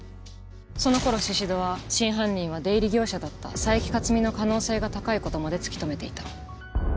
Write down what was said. その頃宍戸は真犯人は出入り業者だった佐伯克己の可能性が高い事まで突き止めていた。